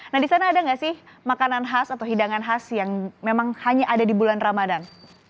nah di sana ada nggak sih makanan khas atau hidangan khas yang memang hanya ada di bulan ramadan